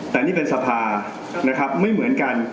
แต่นี่เป็นสภานะครับไม่เหมือนกัน